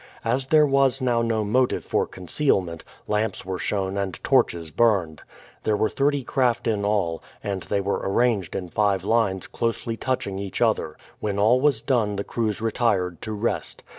As there was now no motive for concealment, lamps were shown and torches burned. There were thirty craft in all, and they were arranged in five lines closely touching each other. When all was done the crews retired to rest.